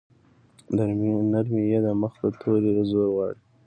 د نرمې ی د مخه توری زور غواړي.